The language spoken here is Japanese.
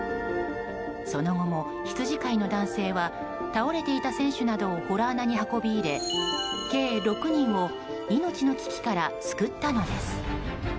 その後も、羊飼いの男性は倒れていた選手などを洞穴に運び入れ計６人を命の危機から救ったのです。